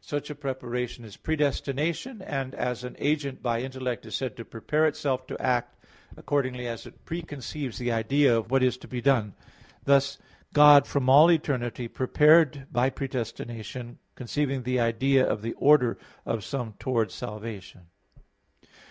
Such a preparation is predestination, and as an agent by intellect is said to prepare itself to act, accordingly as it preconceives the idea of what is to be done. Thus, God from all eternity prepared by predestination, conceiving the idea of the order of some towards salvation.